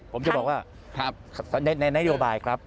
ผมจะบอกว่าในนโยบายครับ